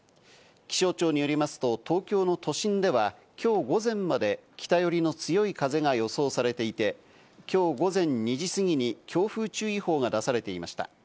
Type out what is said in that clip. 気象庁によりますと東京の都心では今日午前まで北よりの強い風が予想されていて、今日午前２時過ぎに強風注意報が出されていました。